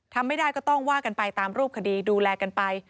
ทำไม่ได้ก็ต้องว่ากันไปตามรูปคดีดูแลกันไป